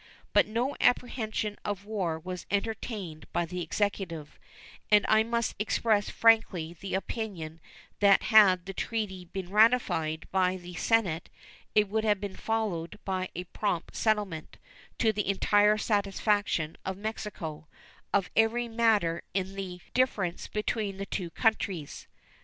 But no apprehension of war was entertained by the Executive, and I must express frankly the opinion that had the treaty been ratified by the Senate it would have been followed by a prompt settlement, to the entire satisfaction of Mexico, of every matter in difference between the two countries.